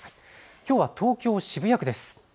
きょうは東京渋谷区です。